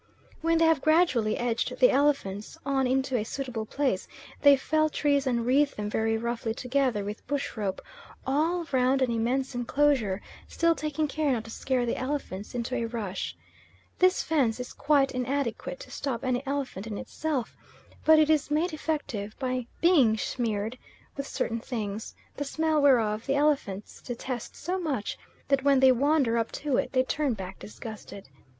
When they have gradually edged the elephants on into a suitable place, they fell trees and wreathe them very roughly together with bush rope, all round an immense enclosure, still taking care not to scare the elephants into a rush. This fence is quite inadequate to stop any elephant in itself, but it is made effective by being smeared with certain things, the smell whereof the elephants detest so much that when they wander up to it, they turn back disgusted.